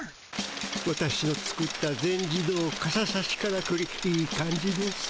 私の作った全自動かささしからくりいい感じです。